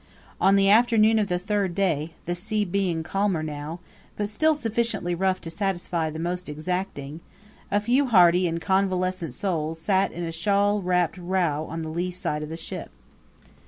On the afternoon of the third day, the sea being calmer now, but still sufficiently rough to satisfy the most exacting, a few hardy and convalescent souls sat in a shawl wrapped row on the lee side of the ship.